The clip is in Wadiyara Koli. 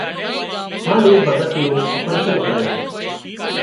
هانَ اِي ڀڳت نُون اپريشين ڪرايون